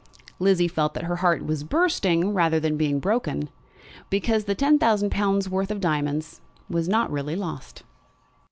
Lizzie felt that her heart was bursting rather than being broken, because the ten thousand pounds' worth of diamonds was not really lost.